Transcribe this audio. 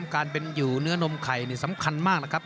การเป็นอยู่เนื้อนมไข่นี่สำคัญมากนะครับ